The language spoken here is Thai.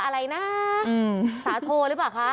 อะไรนะสาโทหรือเปล่าคะ